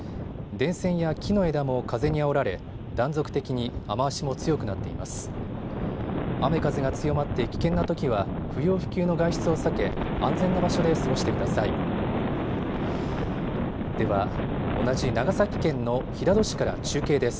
電線や木の枝も風にあおられ断続的に雨足も強くなっています。